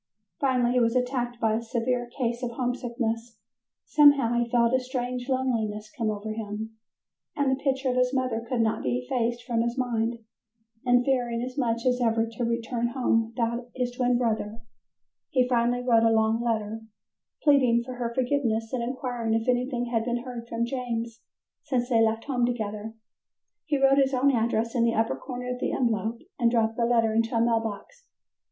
Finally he was attacked by a severe case of homesickness; somehow he felt a strange loneliness come over him, and the picture of his mother could not be effaced from his mind, and fearing as much as ever to return home without his twin brother, he finally wrote a long letter, pleading for her forgiveness and inquiring if anything had been heard from James since they left home together. He wrote his own address in the upper corner of the envelope and dropped the letter into a mail box.